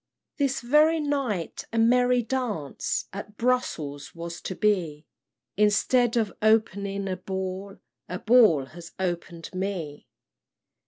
"This very night a merry dance At Brussels was to be; Instead of opening a ball, A ball has open'd me.